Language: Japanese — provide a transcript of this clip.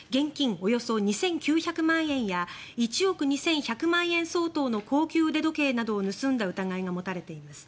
およそ２９００万円や１億２１００万円相当の高級腕時計などを盗んだ疑いが持たれています。